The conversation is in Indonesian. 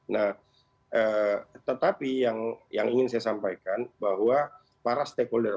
nah tetapi yang ingin saya sampaikan bahwa para stakeholder